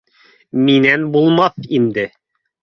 Минән булмаҫ ине